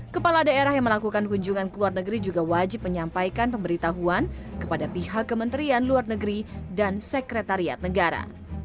kepala daerah yang melakukan kunjungan ke luar negeri juga wajib menyampaikan pemberitahuan kepada pihak kementerian luar negeri dan sekretariat negara